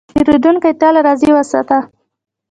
پیرودونکی تل راضي وساته.